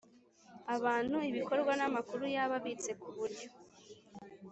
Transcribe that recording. Abantu ibikorwa n amakuru yaba abitse ku buryo